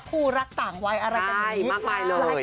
คู่รักต่างไหวอะไรกันเลยนะคะใช่มากมายเลย